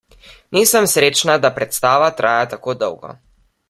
Nisem srečna, da predstava traja tako dolgo.